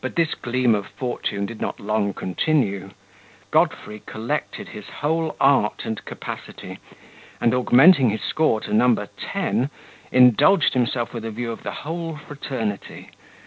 But this gleam of fortune did not long continue. Godfrey collected his whole art and capacity, and, augmenting his score to number ten, indulged himself with a view of the whole fraternity.